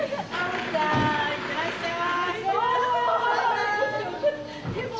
いってらっしゃい！